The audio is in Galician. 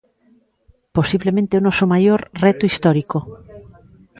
Posiblemente o noso maior reto histórico.